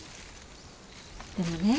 でもね